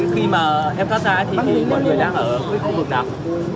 khi mà em thoát ra thì mọi người đang ở khu vực nào